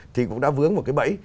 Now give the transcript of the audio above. thì cũng đã vướng một cái bẫy